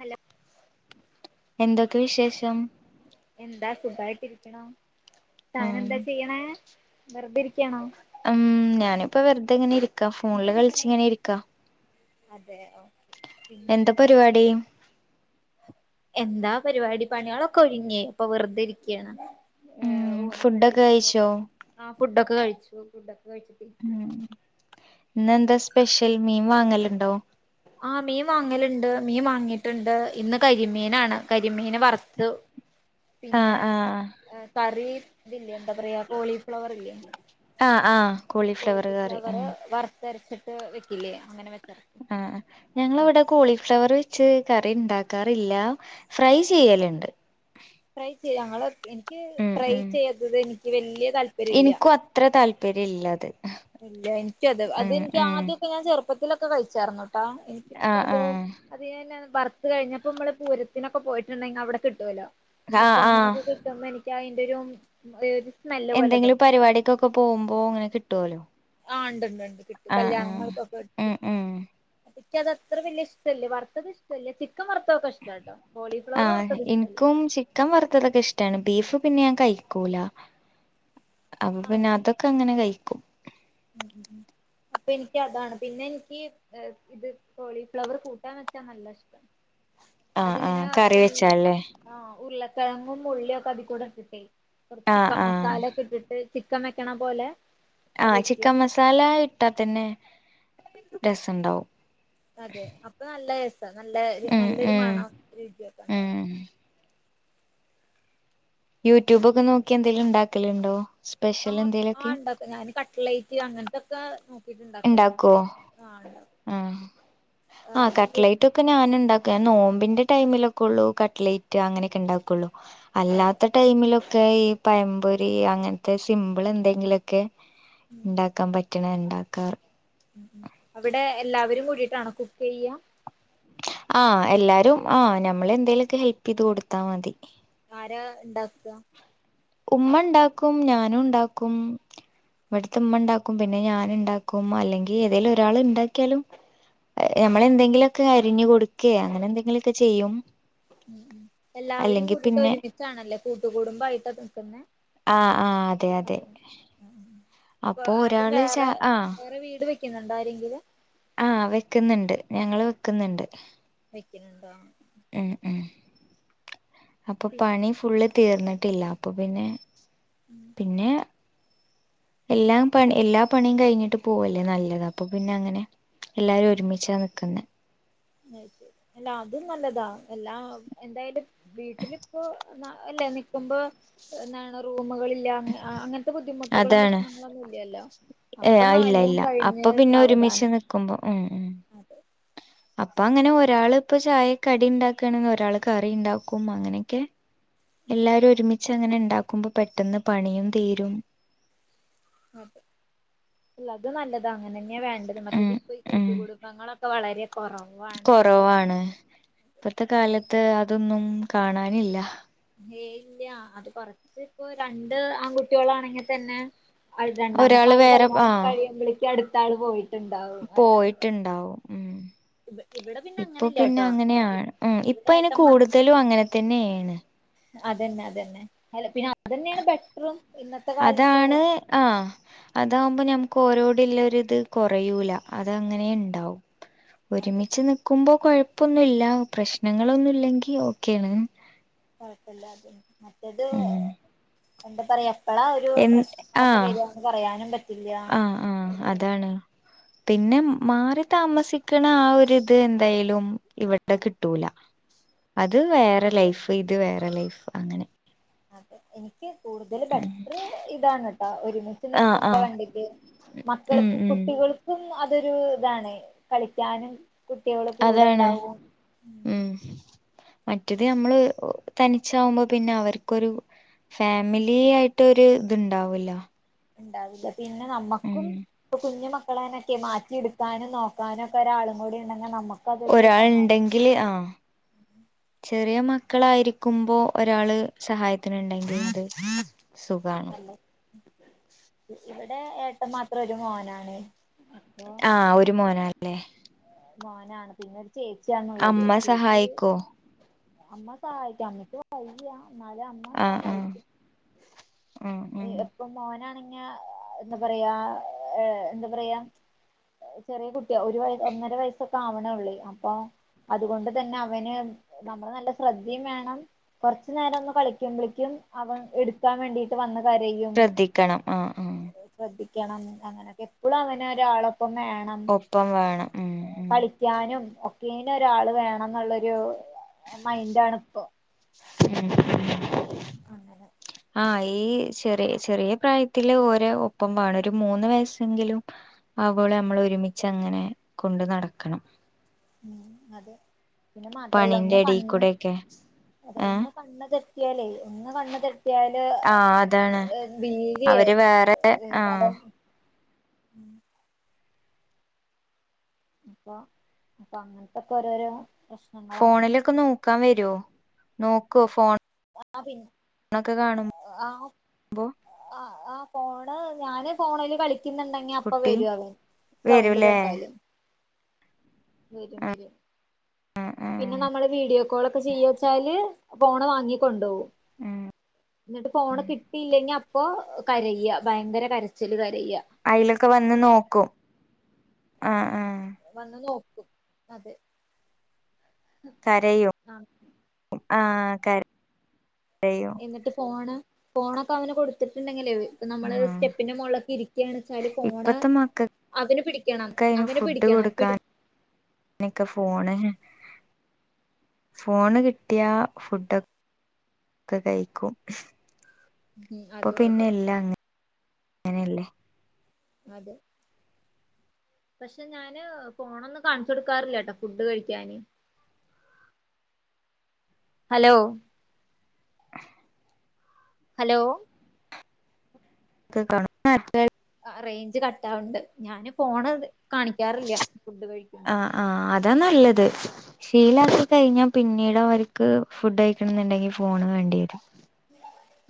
Hello എന്തൊക്കെ വിശേഷം എന്താ സുഖായിട്ടി ഇരിക്ക്‌ണു താൻ ഉം എന്താ ചെയ്ണെ വെറുതെ ഇരികയാണോ ഉം ഞാനിപ്പോ വെറുതെ ഇങ്ങനെ ഇരിക്കാ ഫോണില് കളിച്ച് ഇങ്ങനെ ഇരിക്ക അതെ ഓക്കെ പിന്നെ എന്താ പരിപാടി എന്താ പരിപാടി പണിളൊക്കെ ഒരുങ്ങി ഇപ്പൊ വെറുതെ ഇരികയാണ് ഫുഡ് ഒക്കെ കഴിച്ചോ ആ ഫുഡ് ഒക്കെ കഴിച്ചു ഫുഡ് ഒക്കെ കഴിച്ചിട്ട് ഇരി ഇന്ന് എന്താ സ്പെഷ്യൽ മീൻ വാങ്ങൽലുണ്ടോ ആഹ് മീ മാങ്ങല്ണ്ട് മീ മാങ്ങിട്ട്ണ്ട് ഇന്ന് കരിമീനാണ് കരിമീന് വറ്ത്ത്. ആഹ് പിന്നെ ആഹ് കറി ഇത് ല്ലേ എന്താ പറയാ കോളിഫ്ലവറില്ലേ. ആഹ് ആഹ് കോളിഫ്ലവർ കറി ഉം വർത്തരച്ച്ട്ട് വെക്കില്ലേ അങ്ങനെ വെച്ചതാ. ആഹ് ആഹ് ഞങ്ങളെവടെ കോളിഫ്ലവറ് ച്ച് കറി ണ്ടാക്കാറില്ല ഫ്രൈ ചെയ്യല്ണ്ട്. ഫ്രൈ ചെയ്യ ഞങ്ങള് ഇനിക്ക് ഫ്രൈ ചെയ്ത്തത് ഇൻക്ക് വെല്ല്യെ താല് ഇൻക്കു അത്ര താല്പര്യല്ലത്. ഇല്ല ഇൻക്കത് അതെൻക്ക് ആദ്യൊക്കെ ഞാൻ ചെറ്പ്പത്തിലൊക്കെ കഴിച്ചാർന്നുട്ടാ ആഹ് ഇൻക്കിപ്പത് ആഹ് അത് [unintelligible] വറ്ത്ത് കഴിഞ്ഞപ്പോമ്മള് പൂരത്തിനൊക്കെ പോയിട്ട്ണ്ടെങ്കി അവടെ കിട്ടോല്ലോ അപ്പൊ ആഹ് ആഹ് അങ്ങനെക്കെ കി ട്ടുമ്പോ എനിക്കയ്ൻ്റൊരും ഒര് സ്‌മെ എന്തെങ്കിലും പരിപാടിക്കൊക്കെ പോവുമ്പോ ങ്ങനെ കിട്ടോല്ലോ. ആഹ് ഇണ്ട്ണ്ട് ണ്ട് കിട്ട് കല്യാണങ്ങൾക്കൊക്കെ ആഹ് ഉം കിട്ടും ഉം അപ്പ ഇക്ക്യതത്ര വെല്ല്യെ ഇഷ്ടല്ല വറ്ത്തത് ഷ്ടല്ല ചി ക്കം വർത്തൊക്കെഷ്ട്ടിട്ടോ കോളിഫ്ലവർ വർത്തതിഷ്ടല്ല. ക്ക് വറ്ത്തതൊക്കെഷ്ടണ് ബീഫ് പിന്നെ ഞാൻ കഴിക്കൂല. അപ്പൊ പിന്നെ ഇഷ്ടല്ല അതൊക്കങ്ങനെ കഴി ഉം ഉം ഉം അപ്പ ഇൻക്കതാണ് പിന്നെ ഇൻക്ക് ഏഹ് ഇത് കോളിഫ്ലവർ കൂട്ടാ വെച്ചാ നല്ലെഷ്ട. ആഹ് ആഹ് കറി വെച്ചാല്ലേ. ആഹ് ഉര്ളക്കെഴങ്ങും ഉള്ള്യാക്കെ അതി കൂടെ ട്ട്ട്ടെ കൊർച്ച് ആഹ് ചിക്കൻ ആഹ് മസാലെക്കെട്ട്ട്ട് ചിക്കൻ വെക്കണ പോലെ ആഹ് വെക്കും ചിക്കൻ മസാല ഇട്ടാ തന്നെ രസണ്ടാവും. അതെ അപ്പൊ നല്ല രസ നല്ല രു ഉം നല്ലൊരു ഉം മണം രുച്യൊക്കെണ്ടാവും. ഉം യൂട്യൂബൊക്കെ നോക്ക്യാ എന്തേങ്കിലു ണ്ടാക്കല്ണ്ടോ? ആഹ് ആഹ് ണ്ടാക്ക ഞാന് കട്ട്ലൈറ്റ് അങ്ങൻത്തൊക്കെ നോക്കിട്ട് ണ്ടാക്കല്ണ്ട്. ആഹ് ണ്ടാ ഉം ആഹ് കട്ട്ലൈറ്റൊ ക്ക ഞന് ണ്ടക്ക് അയ് നോമ്പിന്റെ ടൈമിലൊക്കൊള്ളൂ കട്ട്ലേറ്റ് അങ്ങനെക്കെണ്ടാക്കൊള്ളൂ അതെ അല്ലാത്ത ടൈമിലൊക്കെ ഈ പയംമ്പൊരി അങ്ങൻത്തെ സിംമ്പിളെന്തെങ്കിലൊ ക്കെ ഉം ഇണ്ടാക്കാൻ പറ്റ്ണെ ഇണ്ടാക്കാ ഉം ഉം അവടെ എല്ലാവരും കൂടിട്ടാണോ കുക്കെയ്യാ? ആഹ് എല്ലാരും ആഹ് നമ്മളെന്തേലൊക്കെ ഹെൽപെയ്ത് കൊട്ത്താ മതി. ആരാ ഇണ്ടാക്ക? ഉമ്മ ണ്ടാക്കും ഞാനു ണ്ടാക്കും ഇവട്ത്തെ അതെ ഉമ്മ ണ്ടാ ക്കും പിന്നെ ഞാന് ണ്ടാക്കും അല്ലെങ്കിൽ ഏതേലൊരാള്ണ്ടാക്ക്യാലും നമ്മളെന്തെങ്കിലൊക്കെ അരിഞ് കൊട്ക്കേ അങ്ങനെന്തെങ്കിലൊക്കെ ചെയ്യും. ഉം ഉം എല്ലാവരും അല്ലെങ്കിൽ പിന്നെ കൂട്ടീട്ടൊരുമിച്ചാണല്ലേ കൂട്ടുകൂടുമ്പായിട്ട നിക്ക്ന്നെ. അതെ ഉം ഉം ഉം അപ്പൊ ആരും ഒരാള് ച വേറെ ആഹ് വേറെ വീട് വെ ക്ക്ന്ന്ണ്ടോ ആരെങ്കിലും. ആഹ് വെക്ക്ന്ന്ണ്ട് ഞങ്ങള് വെക്ക്ന്ന്ണ്ട്. വെക്ക്ന്ന്ണ്ടോ ഉം ഉം അപ്പൊ പിന്നെ പണി ഫുള്ള് തീർന്ന്ട്ടില്ല അപ്പൊ പിന്നെ ഉം ന്ന് എല്ലാം പണി എല്ലാ പണിം കഴിഞ്ഞ്ട്ട് പോവല്ലേ നല്ലത് അപ്പൊ പിന്നങ്ങനെ എല്ലാരൊര്മിച്ചാ നിക്ക്ന്നെ. അയ് ശെരി അല്ല അതും നല്ലതാ എല്ലാ എന്തായ്ൻ്റെ വീട്ട്ല് പ്പോ ന്ന അല്ല നിക്ക്മ്പോ എന്നാണ് റൂമുകളി അങ്ങൻത്തെ ബുദ്ധിമുട്ടുകളും അതാണ് പ്രശ്നങ്ങളന്നു ഇല്ലല്ലോ അപ്പം ന്നാ എല്ലാം കഴിഞ് [unintelligible] നിക്ക്മ്പോം ഉം ഉം അതെ അപ്പ അങ്ങനെ ഒരാള് ഇപ്പൊ ചായ കടി ഇണ്ടാക്കാണ്ന്ന് ഒരാള് കറി ഇണ്ടാക്കും അങ്ങനെക്കെ എല്ലാരും ഒരുമി ച്ചങ്ങനെ ഇണ്ടാക്കുമ്പം പെട്ടെന്ന് പണിം തീരും ആ ഹ് അല്ല അത് നല്ലത അങ്ങനെന്നെ വേണ്ടത് ഉം മറ്റേത് ഇപ്പൊ ഈ ഉം കൂട്ടുകുടുംബങ്ങളക്കെ വളരെ കൊറവ കൊറവാണ് ഇപ്പത്തെ കാലത്ത് അതൊന്നും കാണാനില്ല ഏയ് ഇല്ല അത് കൊറച്ച് ഇപ്പൊ രണ്ട് ആൺകുട്ട്യോളാണെങ്കി തന്നെ രണ്ടാമത്തെ ഒരാള് ആള് വേറെ കല്യാണം കഴിയുമ്പളേക്ക് അടുത്ത ആള് പോയി പോയിട്ട്ണ്ടാവും ഉം ഇവിടെ പിന്നെ ഇപ്പൊ പിന്നെ അങ്ങനെല്ലാട്ടോ അങ്ങനെയാ ഉം ഇവിടെ ഇപ്പൊ അയിന് ഏട്ടൻ മാത്രം കൂടുതലും അങ്ങന തന്നെണ് അതന്നെ അതന്നെ അല്ല പിന്നെ അതന്നെണ് ബെ റ്റ്റും ഇന്നത്തെ കാലത്ത് അതാണ് ആ അതാവുമ്പ ഞമ്മക്ക് ഓരോട് ല്ലര് ഇത് കൊറയൂല അതങ്ങനെണ്ടാവും അതെ ഒരുമിച്ച് നിക്കുമ്പോ കൊഴപ്പൊന്നുല്ല പ്രശ്നങ്ങളൊന്നുല്ലെങ്കി ഓക്കെണ് കൊഴപ്പല്ല അത് മറ്റത് ഉം എന്താ പറയാ എപ്പളാ ഒരു എൻ പ്രശ്നങ്ങളെക്കെ വരാന്ന് പറയാനും പറ്റില്ല ആ അതാണ് പിന്നെ മാറി താമസിക്ക്ണ ആ ഒര്ത് എന്തായാലും ഇവടെ കിട്ടൂല അത് വേറെ ഇല്ല ലൈഫ് ഇത് വേറെ ലൈഫ് അങ്ങനെ അതെ എനിക്ക് കൂടുതൽ ഉം ബെറ്ററ് ഇതാണ് ട്ടോ ഒരുമിച്ച് ആഹ് നിക്കുമ്പ ആഹ് കണ്ടിട്ട് ഉം മക്കള്ക്ക് ഉം കുട്ടികൾ [unintelligible] അതൊരു ഇതാണ് കളിക്കാനും കുട്ടിയള് കൂട അതാണ് ണ്ടാവും ഉം മറ്റത് ഞമ്മള് തനിച്ചാവുമ്പോ പിന്നെ അവർക്കൊരു ഫാമിലി ആയിട്ടൊരു ഇത്ണ്ടാവൂല ഇണ്ടാവില്ല പിന്നെ നമ്മക്കും ഇപ്പൊ കുഞ്ഞു മക്കളെനെക്കെ മാറ്റി ഇട്ക്കാനും നോക്കാനു ഒക്ക ഒരാളും കൂടി ഉണ്ടങ്കി നമ്മ ഒരാൾ ഇണ്ടെങ്കില് ആ ചെറിയ മക്കളായിരിക്കുമ്പോ ഒരാള് സഹായത്തിന്ണ്ടെങ്കി അത് സുഖാണ് അല്ല ഇവടെ ഏട്ടം മാത്രം ഒരു മോനാണ് അപ്പൊ ആ ഒരു മോനാ ലെ മോനാണ് പിന്നെ ഒര് ചേച്ചിയാണുള്ളത് അമ്മ ചേച്ചി സഹായിക്കോ അമ്മ സഹായിക്കും അമ്മക്ക് വയ്യ ന്നാലും അമ്മ സഹായിക്കും ഉം ഉം ഇപ്പൊ മോനാണങ്കി എന്താ പറയാ ഏ എന്താ പറയാ ചെറിയ കുട്ടിയാ ഒരു വയ ഒന്നര വയസ്സൊക്കെ ആവണള്ളൂ അപ്പൊ അതുകൊണ്ട് തന്നെ അവന് നമ്മള് നല്ല ശ്രദ്ധി വേണം കൊർച് നേരം ഒന്ന് കളിക്കുമ്പളേക്കും അവൻ ഇട്ക്കാൻ വേണ്ടിട്ട് വന്ന് കരയും ശ്രദ്ധിക്കണം ആ ആ ശ്രദ്ധിക്കണം അങ്ങനെക്കെ എപ്പളും അവനെ ഒരാളൊപ്പം വേണം ഒപ്പം വേണം ഉം ഉം കളിക്കാനും ഒക്കെനു ഒരാള് വേണംന്നുള്ളൊരു മൈൻഡാണ്പ്പോ ഉം അങ്ങനെ ആ ഈ ചെറി ചെറിയ പ്രായത്തില് ഓരെ ഒപ്പം വാണം ഒരു മൂന്ന് വയസ്സെങ്കിലും ആവോളു നമ്മള് ഒരുമിച്ചങ്ങനെ കൊണ്ട് നടക്കണം ഉ അതെ പിന്നെ മാത്രല്ല പണിന്റെ ഒന്ന് എടീ കണ്ണ് കൂടെയൊക്കെ അത ഏഹ് ഒന്ന് കണ്ണ് തെ- റ്റിയാലേ, ഒന്ന് കണ്ണ് തെറ്റിയാല്. ആഹ് അതാണ് ഭീതി ആണ്. അവര് വേറെ ആഹ് അപ്പോ അപ്പങ്ങൻത്തൊക്കെ- ഓരോരോ. പ്രശ്നങ്ങളാണ് ഫോണിലൊക്കെ നോക്കാം വെരോ? നോക്കോ ഫോൺ? ആഹ് പിൻ ആഹ്. ആഹാ ആഹാ ഫോണ് ഞാന്- ഫോണില് കളിക്ക്ന്ന്ണ്ടെ- ഞാപ്പ കുട്ടി വെരും അവൻ സൗണ്ട്- വരൂലേ കേട്ടാല് വെരും, വെരും. [inaudible] പിന്നെ നമ്മള്- വീഡിയോകോളൊക്കെ ചെയ്യാച്ചാല്, ഫോണ് വാങ്ങിക്കൊണ്ടോവും. ഉം ന്നട്ട് ഫോണ് കിട്ടിയില്ലെങ്കി അപ്- പ്പൊ കരയ്യ ഭയങ്കര കരച്ചില് കരയാ. അയ്ലൊക്കെ വന്ന് നോക്കും ആഹ് ആഹ്. വന്ന് നോക്കും അതെ. കരയും, ആ ആഹ് കര കരയും. ന്നിട്ട് ഫോണ് ഫോണൊക്കെ അവന്- കൊടുത്തിട്ടുണ്ടെങ്കിലെ, പ്പനമ്മള് ആഹ് സ്റ്റെപ്പിന്റെ മോളൊക്കെയിരിക്- ക്കെണെച്ചാല് ഫോണ് ഇപ്പത്തെ മക്കൾക്ക് അവന്- പിടിക്കണം അവന് പിടിക്കണം പിട്- നിക്കെ ഫോണ്- ഫോണ് കിട്ട്‌യാ ഫുഡൊക്കെ കയിക്കും. ഉം ഇപ്പൊ അതെ പിന്നെ അതെ എല്ലാം അങ്ങനെ യല്ലേ. അതെ. പക്ഷെ ഞാന് ഫോണൊന്നും- കാൺച്ചൊടുക്കാറില്ലട്ടോ ഫുഡ് കഴിക്കാന്. ഹലോ. [inaudible] ഹലോ. [unintelligible] അഹ് റേഞ്ച് കട്ടാവിണ്ട്, ഞാന് ഫോണ് കാണിക്കാറില്ല്യ ഫുഡ് കഴിക്കുമ്പോ. ആഹ് ആഹ് അതാ നല്ലത്. ശീലാക്കി കഴിഞ്ഞാ പിന്നീടവർക്ക് ഫുഡൈക്കണംന്നുണ്ടെങ്കി ഫോണ് വേണ്ടി വെരും.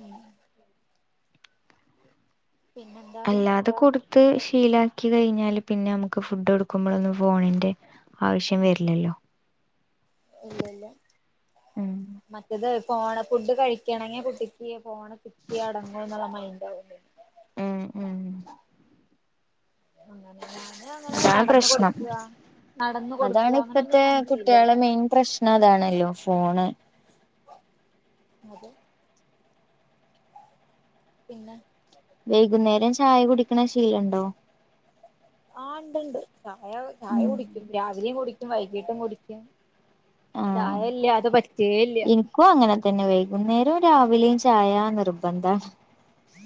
ഉം. പിന്നെന്താ അല്ലാതെ കൊടുത്ത് ശീലാ- ക്കി കയിഞ്ഞാല് പിന്നെ മുക്ക്- ഫുഡൊട്ക്കുമ്പളൊന്നും, ഫോണിന്റെ ആവശ്യം വെര്ലല്ലോ. [inaudible] ഇല്ല, ഇല്ല ഉം മറ്റത് ഫോണ് ഫുഡ്- കഴിക്കണങ്കി കുട്ടി- ക്ക്‌യേ ഫോണ് കിട്ടിയേ- അടങ്ങുന്നുള്ള മൈൻഡാവും. ഉം ഉം. അങ്ങനെ ഞാന് അങ്ങനെ നടന്ന് കൊടുക്കാ. അതാണിപ്പത്തെ കുട്ട്‌യാളെ മെയ്ൻ പ്രശ്നം അതാണല്ലോ ഫോണ്. അതെ. പിന്നെ. വൈകുന്നേരം ചായ കുടിക്ക്ണ ശീലണ്ടോ? ആഹ്, ണ്ട്, ണ്ട് ചായ, ചായ ഉം കുടിക്കും. രാവിലെയും കുടി- വൈകിട്ടും കുടിക്കും, ആഹ് ചായല്ല്യാതെ പറ്റേല്ല്യ. എനിക്കും അങ്ങനെ തന്നെ വൈകുന്നേരവും, രാവിലെയും ചായ നിർബന്ധാണ്.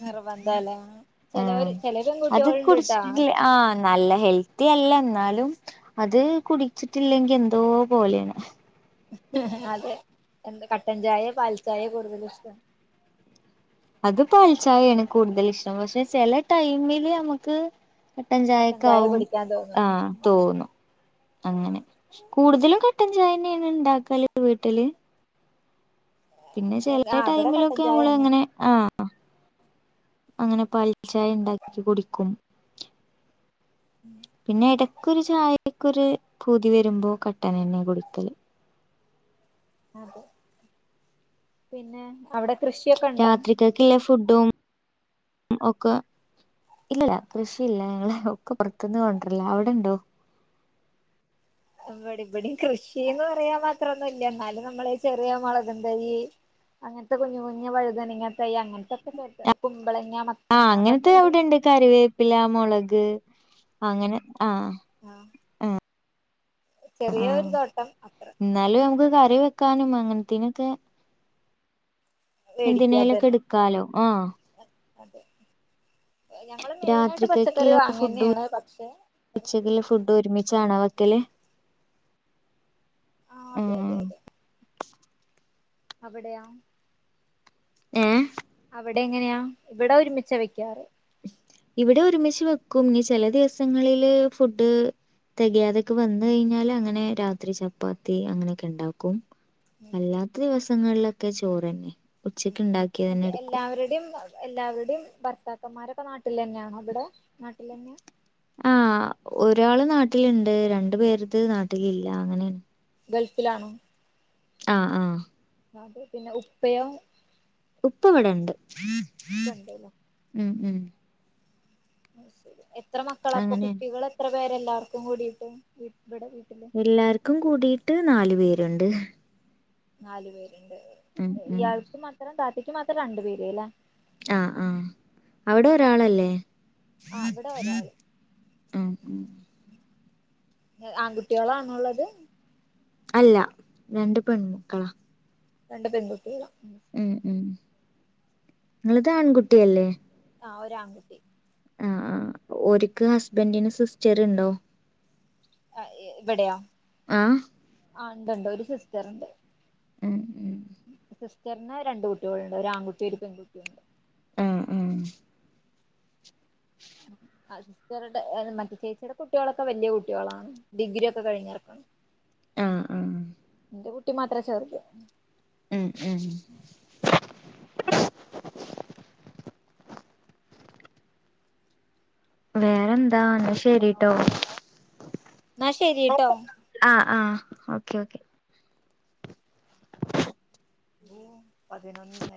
നിർബന്ധല്ലേ ആഹ് ചിലവര് ചില അത് പെൺകുട്ടികളുണ്ട്ട്ടാ കുടിച്ചിട്ടില്ലേ ആഹ, നല്ല ഹെൽത്തി അല്ല, എന്നാലും അത് കുടിച്ചിട്ടില്ലെ ങ്കിഎന്തോ പോലെണ്. അതെ, എന്ത കട്ടൻ ചായേ, പാൽ ചായേ കൂടുതലിഷ്ടം. അത് പാൽചായേണ് കൂടുതലിഷ്ടം. പക്ഷെ ചെല ടൈമില് ഞമ്മക്ക്- കട്ടൻ ചായ ചായക്കാവും, കുടിക്കാൻ തോന്നും ഉം ആഹ്... തോന്നും അങ്ങനെ, കൂടുതലും കട്ടൻചായന്നെണ് ണ്ടാക്കല് വീട്ടില്. പിന്നെ ആ ചെലേ അവിടെ കട്ടൻ ടൈമിലൊക്കെ നമ്മള് ചായന്നെ അങ്ങനെ. ആഹ് അഹ് അങ്ങനെ പൽചായണ്ടാക്കി കുടിക്കും. ഉം. പിന്നെ എടക്കൊരു ചായക്കൊര് പൂതി വരുമ്പോ കട്ടനെന്നെ കുടിക്കല്. അതെ പിന്നെ അവിടെ കൃഷിയൊക്കണ്ടോ. റ്റക്ക്ല്ല ഫുഡും ഒക്ക. ഇല്ല ല്ല കൃഷിയില്ല ഞങ്ങളെ ഒക്ക പ പൊർത്ത്ന്ന് കൊണ്ടര്ലാ അവിടെണ്ടോ. ഇവടി വടിം കൃഷീന്ന് പറയാ മാത്രൊന്നുല്ല ന്നാലും നമ്മള് ചെറിയ മൊളകും തൈയ്യ്. അങ്ങൻത്ത കുഞ്ഞ് കുഞ്ഞു വഴുതനങ്ങ തൈ അങ്ങൻത്തൊക്കെ ചേർത്ത കുമ്പളങ്ങ മ ആഹ് അങ്ങനത്തെ അവിടെണ്ട് കറിവേപ്പില മൊളക് അങ്ങനെ ആഹ്. ആഹ് ചെറിയോരു തോട്ടം അത്ര. ന്നാലും നമക്ക് കറി വെക്കാനും അങ്ങൻത്തിനൊക്കെ. വേടിക്കാതെ തന്നെ എന്തിനേലൊക്കെട്ക്കാലോ ആഹ്. അതെ എ ഞങ്ങള് മെയിനായ്ട്ട് പച്ചക്കറി വാങ്ങന്നെണ് പക്ഷെ. ഉച്ചക്ക്ള്ള ഫുഡ് ഒരുമിച്ചാണൊ വെക്കല്. ആഹ് അതെ അതെ ഉം അതെ. അവിടെയാ. ഏഹ്. അവിടെ എങ്ങനെയാ ഇവടെ ഒരുമിച്ചാ വെക്ക്യാറ്. ഇവിടെ ഒരുമിച്ച് വെക്കും നി ചെല ദിവസങ്ങളില് ഫുഡ്. തെകയാതെക്കെ വന്ന് കൈഞ്ഞാല് അങ്ങനെ രാത്രി ചപ്പാത്തി അങ്ങനെയെക്കെ ണ്ടാക്കും. അല്ലാത്ത ദിവസങ്ങൾലൊക്കെ ചോറെന്നെ. ഉം ഉം മറ്റെ എല്ലാവര്ടിം. എല്ലാവര്ടിം ഭർത്താക്കന്മാരൊക്ക നാട്ടിലന്നാണോ ഇവടെ നാട്ടിലെന്ന്യ. ആഹ് ഒരാള് നാട്ടില്ണ്ട് രണ്ടു പേര്ത് നാട്ടിലില്ല അങ്ങനെണ്. ഗൾഫിലാണോ. ആഹ് ആഹ്. അത് പിന്നെ ഉപ്പയോ. ഉപ്പവടണ്ട് ഉപ്പണ്ടല്ലോ ഉം ഉം. അഹ് സരി എത്ര മക്കളാ പ്പ അങ്ങനെയാണ് കുട്ടികളെത്ര പേരെല്ലാവർക്കും കൂടീട്ട് ഇവടെ വീട്ടില്. എല്ലാര്ക്കും കൂടീട്ട് നാല് പേരുണ്ട്. നാലു പേരുണ്ട് ഉം അ ഉം ഇയാൾക്ക് മാത്രം താത്തയ്ക്ക് മാത്രം രണ്ടു പേര് അല്ലേ. ആഹ് ആഹ് അവിടെ ഒരാളല്ലേ. ആ അവിടെ ഒരാള് ഉം ഉം. എ ആൺകുട്ട്യോളാണോള്ളത്. അല്ല രണ്ട് പെൺമുക്കളാ. രണ്ട് പെൺകുട്ടികളാ ഉം. ഉം ഉം ങ്ങള്താൺകുട്ടിയല്ലേ. ആഹ് ഒരാങ്കുട്ടി. ആഹ് ആഹ് ഓര്ക്ക് ഹസ്ബന്റിന് സിസ്റ്ററ്ണ്ടോ. അ ഇ വടെയോ. ആഹ്. ആഹ് ണ്ട് ണ്ട് ഒരു സിസ്റ്ററ്ണ്ട് ഉം ഉം സിസ് റ്റർന് രണ്ട് കുട്ടികളുണ്ട് ഒരാങ്കുട്ടി ഒരു പെങ്കുട്ടിയുണ്ട്. ആഹ് ആഹ്. അ സിസ്റ്ററ്ടെ അത് മറ്റേ ചേച്ചിയുടെ കുട്ട്യോളൊക്കെ വല്ല്യ കുട്ട്യോളാണ് ഡിഗ്രി ഒക്കെ കഴിഞ്ഞർക്കണ്. ആഹ് ആഹ്. ന്റെ കുട്ടി മാത്രേ ചെറ്ത്. ഉം ഉം. വേറെന്താ എന്നാ ഹലോ ശരിട്ടോ എന്നാ ശരിട്ടോ ആഹ് ആഹ് ഓക്കെ ഓക്കെ യ്യോ പതിനൊന്നെ